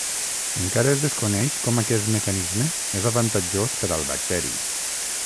Encara es desconeix com aquest mecanisme és avantatjós per al bacteri.